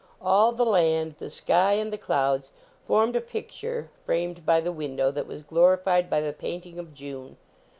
All the land, the sky and the clouds formed a picture framed by the window that was glorified by the painting of June.